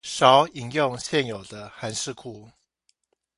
少引用現有的函式庫